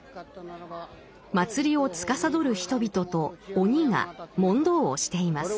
祭りを司る人々と鬼が問答をしています。